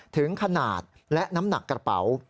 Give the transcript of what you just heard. ถึงขนาดและน้ำหนักกระเป๋า